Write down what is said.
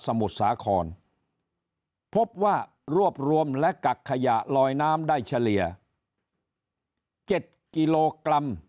มุทรสาครพบว่ารวบรวมและกักขยะลอยน้ำได้เฉลี่ย๗กิโลกรัม